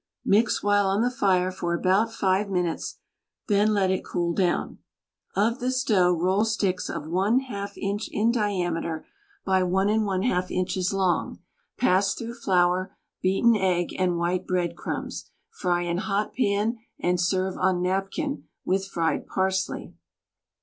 Mix while on the fire for about five minutes, then let it cool down. Of this dough roll sticks of ^ inch in diameter by THE STAG COOK BOOK I Yi inches long, pass through flour, beaten egg, and white bread crumbs, fry in fat pan and serve on napkin with fried parsley.